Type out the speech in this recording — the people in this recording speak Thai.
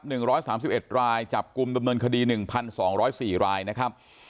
หนึ่งร้อยสามสิบเอ็ดรายจับกลุ่มดำเนินคดีหนึ่งพันสองร้อยสี่รายนะครับ